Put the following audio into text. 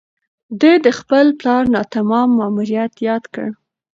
ده د خپل پلار ناتمام ماموریت یاد کړ.